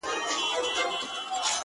هر منزل د هڅو پایله وي